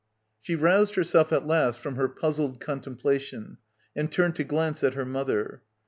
She roused herself at last from her puzzled contemplation and turned to glance at her mother.